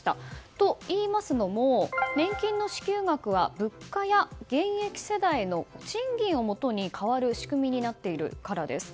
といいますのも、年金の支給額は物価や現役世代の賃金をもとに変わる仕組みになっているからなんです。